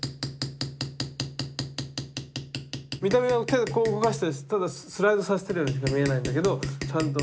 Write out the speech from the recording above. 見た目は手でこう動かしてただスライドさせてるようにしか見えないんだけどちゃんと。